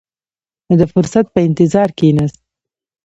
نو د فرصت په انتظار کښېناست.